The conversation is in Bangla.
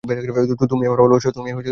তুমিই আমার ভালোবাসা।